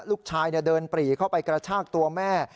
ลูกชายเดินปรีเข้าไปกระชากตัวแม่